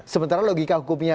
sementara logika hukumnya